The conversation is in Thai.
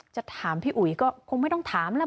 จะถามพี่อุ๋ยก็คงไม่ต้องถามแล้ว